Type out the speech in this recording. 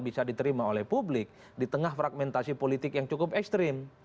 bisa diterima oleh publik di tengah fragmentasi politik yang cukup ekstrim